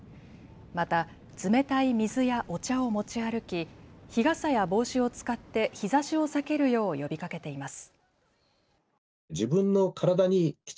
また冷たい水やお茶を持ち歩き日傘や帽子を使って日ざしを避けるよう呼びかけています。